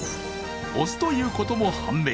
雄ということも判明。